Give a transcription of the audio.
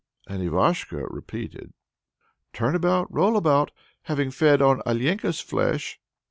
And Ivashko repeated: "Turn about, roll about, having fed on Alenka's flesh!"